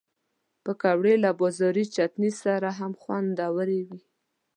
پکورې له بازاري چټني سره هم خوندورې وي